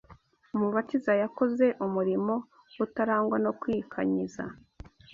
Umubatiza yakoze umurimo utarangwa no kwikanyiza.